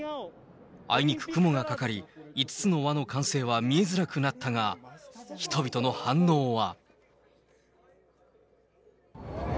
あいにく、雲がかかり、５つの輪の完成は見えづらくなったが、人々の反応は。